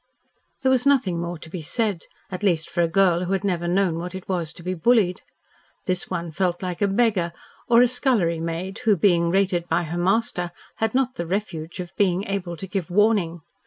There was nothing more to be said, at least for a girl who had never known what it was to be bullied. This one felt like a beggar or a scullery maid, who, being rated by her master, had not the refuge of being able to "give warning."